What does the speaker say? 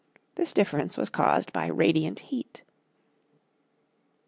This difference was caused by radiant heat.